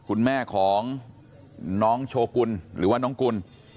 คุณแม่ของน้องโชกุลหรือว่าน้องกุล